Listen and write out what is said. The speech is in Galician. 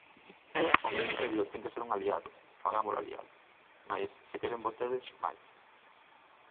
O Ministerio ten que ser un aliado, fagámolo aliado; máis, se queren vostedes, máis.